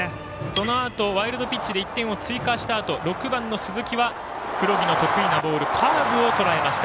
そのあとワイルドピッチで１点を追加したあと、鈴木が黒木の得意なボールカーブをとらえました。